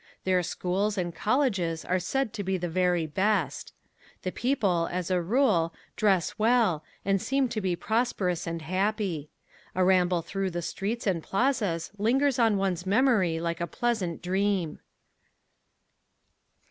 Their schools and colleges are said to be the very best. The people, as a rule, dress well and seem to be prosperous and happy. A ramble through the streets and plazas lingers in one's memory like a pleasant dream.